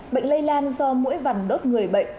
bệnh lây lan do mũi vằn đốt người bệnh